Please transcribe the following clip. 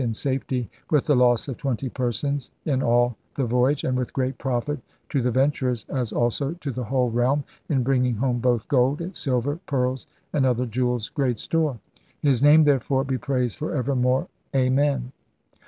in safety, with the loss of twenty persons in all the voyage, and with great profit to the venturers, as also to the whole realm, in bringing home both gold, silver, pearls, and other jewels great store. His name, therefore, be praised for evermore. Amen.